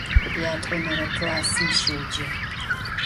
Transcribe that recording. Yat'onere klassım şêce.